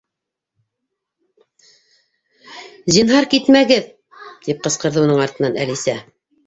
—Зинһар, китмәгеҙ! —тип ҡысҡырҙы уның артынан Әлисә.